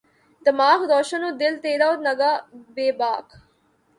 دماغ روشن و دل تیرہ و نگہ بیباک